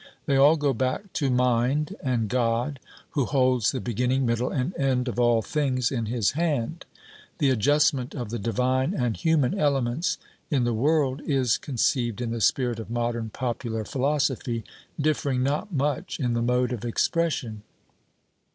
They all go back to mind and God, who holds the beginning, middle, and end of all things in His hand. The adjustment of the divine and human elements in the world is conceived in the spirit of modern popular philosophy, differing not much in the mode of expression.